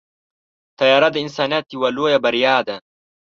طیاره د انسانیت یوه لویه بریا ده.